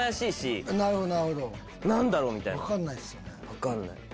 何だろう？みたいな分かんない。